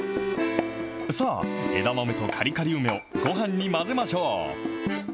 さあ、枝豆とカリカリ梅をごはんに混ぜましょう。